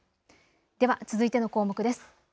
では続いての項目です。